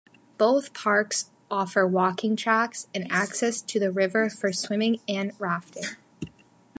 Both parks offer walking tracks, and access to the river for swimming and rafting.